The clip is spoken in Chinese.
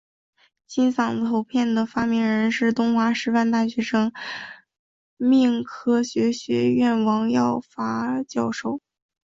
金嗓子喉片的发明人是华东师范大学生命科学学院王耀发教授。